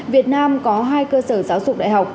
việt nam có hai cơ sở giáo dục đại học